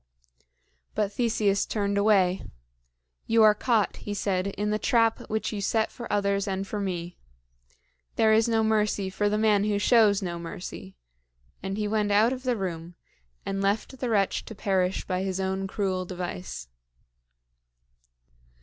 But Theseus turned away. "You are caught," he said, "in the trap which you set for others and for me. There is no mercy for the man who shows no mercy;" and he went out of the room, and left the wretch to perish by his own cruel device.